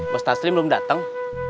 bos taslim belum datang